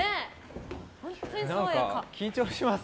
何か緊張します。